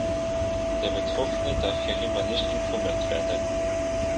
Der Betroffene darf hierüber nicht informiert werden.